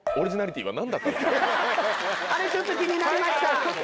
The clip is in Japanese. あれちょっと気になりました！